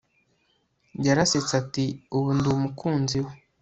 Yarasetse ati ubu ndi umukunzi we